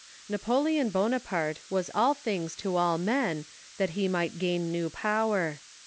Napoleon Bonaparte was all things to all men, that he might gain new power.